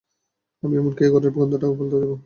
আমি এমনকি এই ঘরের গন্ধটাও বদলে দেবো।